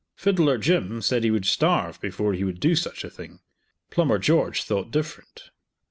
Fiddler Jim said he would starve before he would do such a thing; Plumber George thought different.